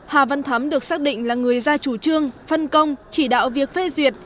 hà văn thắm được xác định là người ra chủ trương phân công chỉ đạo việc phê duyệt